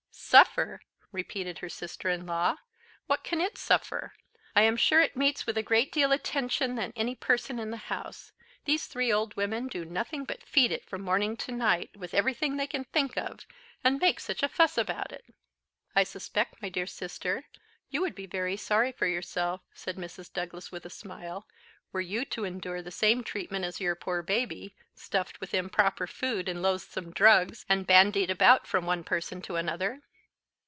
"Suffer!" repeated her sister in law; "what can it suffer? I am sure it meets with a great deal attention than any person in the house. These three old women do nothing but feed it from morning to night, with everything they can think of, and make such a fuss about it!" "I suspect, my dear sister, you would be very sorry for yourself," said Mrs. Douglas, with a smile, "were you to endure the same treatment as your poor baby; stuffed with improper food and loathsome drugs, and bandied about from one person to another."